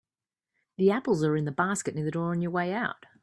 The apples are in the basket near the door on your way out.